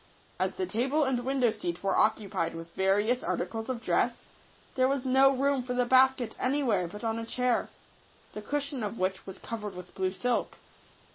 As the table and window seat were occupied with various articles of dress, there was no room for the basket any where but on a chair, the cushion of which was covered with blue silk.